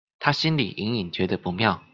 她心裡隱隱覺得不妙